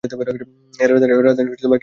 এর রাজধানী কিন্ডু।